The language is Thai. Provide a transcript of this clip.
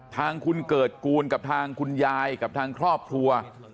ทางคุณเกิดกูลกับทางคุณยายกับทางครอบครัว